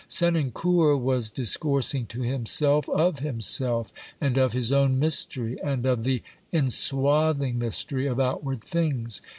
Senancour was dis coursing to himself of himself and of his own mystery and of the enswathing mystery of outward things.